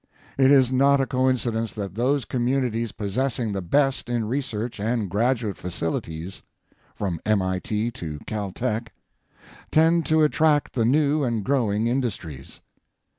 It is not a coincidence that those communities possessing the best in research and graduate facilities ŌĆō from MIT to Cal Tech ŌĆō tend to attract the new and growing industries.